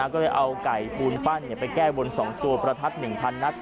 ก็เลยเอาไก่ปูนปั้นไปแก้บน๒ตัวประทัด๑๐๐นัด